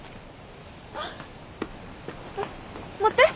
あっ！